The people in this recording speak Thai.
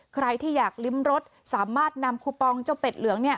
ใครที่อยากลิ้มรสสามารถนำคูปองเจ้าเป็ดเหลืองเนี่ย